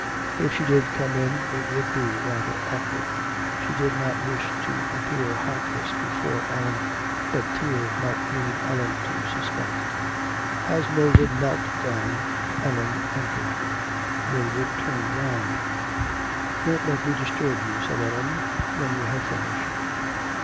If she did come in it would be rather awkward. She did not wish to appear heartless before Ellen, but tears might lead Ellen to suspect. As Mildred knelt down, Ellen entered. Mildred turned round. 'Don't let me disturb you,' said Ellen, 'when you have finished.'